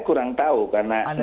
kurang tahu karena minggu